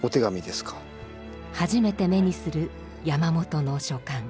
初めて目にする山本の書簡。